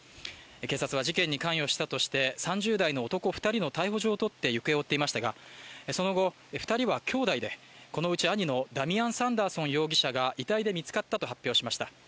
警察は事件に関与したとして３０代の男２人の逮捕状を取って行方を追っていましたが、その後、２人は兄弟で、このうち兄のダミアン・サンダーソン容疑者が遺体で見つかったと発表しました。